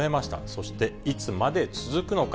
そしていつまで続くのか？